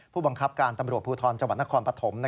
ผู้บังคับการตำรวจภูทรจังหวัดนครปฐม